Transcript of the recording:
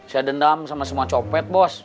saya dendam sama semua copet bos